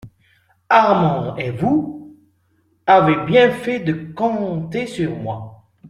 Armand et vous avez bien fait de compter sur moi.